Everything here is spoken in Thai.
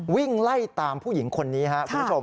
วิ่งไล่ตามผู้หญิงคนนี้ครับ